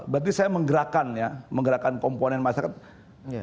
berarti saya menggerakkan ya menggerakkan komponen masyarakat